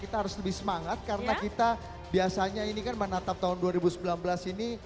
kita harus lebih semangat karena kita biasanya ini kan menatap tahun dua ribu sembilan belas ini